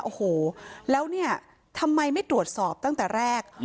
โอ้โฮแล้วทำไมไม่ด่วนสอบตั้งแต่แรก